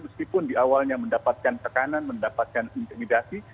meskipun di awalnya mendapatkan tekanan mendapatkan intimidasi